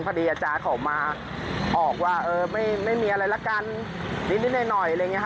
พอดีอาจารย์เขามาออกว่าไม่มีอะไรละกันนิดหน่อยเลย